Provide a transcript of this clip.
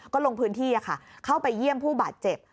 ก็ลงพื้นที่เข้าไปเยี่ยมผู้บาดเจ็บ